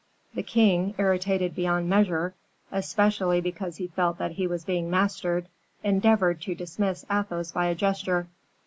The king, irritated beyond measure, especially because he felt that he was being mastered, endeavored to dismiss Athos by a gesture.